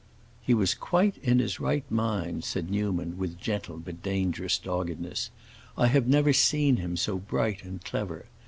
"He was quite in his right mind," said Newman, with gentle but dangerous doggedness; "I have never seen him so bright and clever.